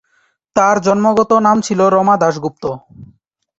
তার জন্মগত নাম ছিল রমা দাশগুপ্ত।